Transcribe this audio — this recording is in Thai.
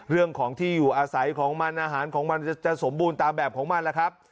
เรื่องของที่อยู่อาศัยของมันอาหารของมันจะสมบูรณ์ตามแบบของมันล่ะครับ